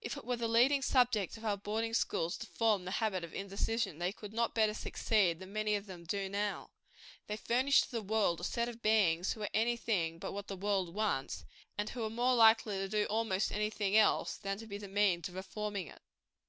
If it were the leading object of our boarding schools to form the habit of indecision, they could not succeed better than many of them now do. They furnish to the world a set of beings who are any thing but what the world wants, and who are more likely to do almost any thing else, than to be the means of reforming it.